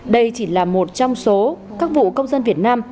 đây chỉ là một trong số các vụ công dân việt nam